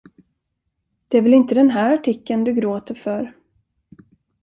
Det är väl inte den här artikeln du gråter för?